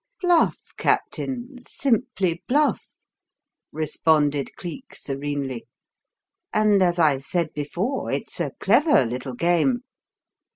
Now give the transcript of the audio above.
"Bluff, Captain! Simply 'bluff'!" responded Cleek serenely. "And as I said before, it's a clever little game.